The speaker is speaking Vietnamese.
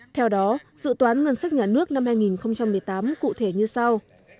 theo đó dự toán ngân sách nhà nước năm hai nghìn một mươi tám cụ thể như sau